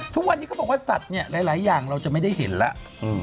ทุกวันนี้เขาบอกว่าสัตว์เนี่ยหลายอย่างเราจะไม่ได้เห็นแล้ว